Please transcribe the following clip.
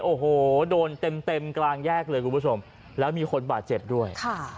โอ้โหโดนเต็มเต็มกลางแยกเลยคุณผู้ชมแล้วมีคนบาดเจ็บด้วยค่ะ